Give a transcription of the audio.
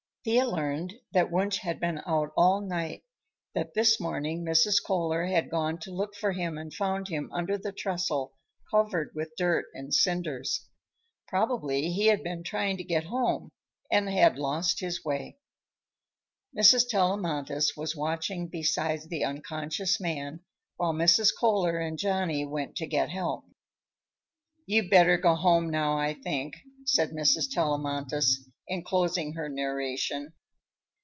Thea learned that Wunsch had been out all night, that this morning Mrs. Kohler had gone to look for him and found him under the trestle covered with dirt and cinders. Probably he had been trying to get home and had lost his way. Mrs. Tellamantez was watching beside the unconscious man while Mrs. Kohler and Johnny went to get help. "You better go home now, I think," said Mrs. Tellamantez, in closing her narration.